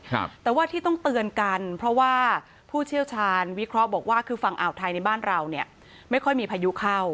ครับแต่ว่าที่ต้องเตือนกันเพราะว่าผู้เชี่ยวชาญวิเคราะห์บอกว่าคือฝั่งอ่าวไทยในบ้านเราเนี่ยไม่ค่อยมีพายุเข้า